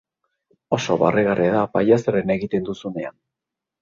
Oso barregarria da pailazoarena egiten duzunean.